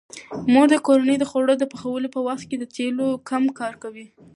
مور د کورنۍ د خوړو د پخولو په وخت د تیلو کم کاروي.